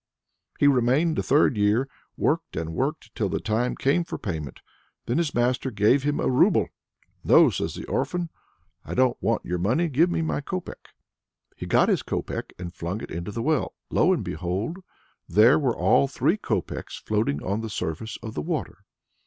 He remained a third year; worked and worked, till the time came for payment. Then his master gave him a rouble. "No," says the orphan, "I don't want your money; give me my copeck." He got his copeck and flung it into the well. Lo and behold! there were all three copecks floating on the surface of the water.